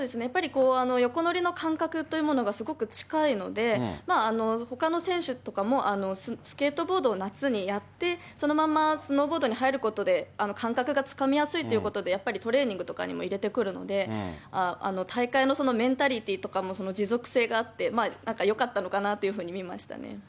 やっぱりこう、横乗りの感覚というものがすごく近いので、ほかの選手とかもスケートボードを夏にやって、そのまんまスノーボードに入ることで、感覚がつかみやすいということでやっぱりトレーニングとかにも入れてくるので、大会のメンタリティーとか、持続性があって、なんかよかったのかなというふうに見ましたね。